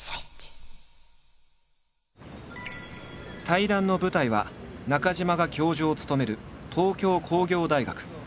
対談の舞台は中島が教授を務める東京工業大学。